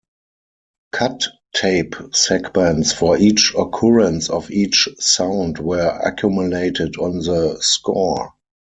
Cut tape segments for each occurrence of each sound were accumulated on the score.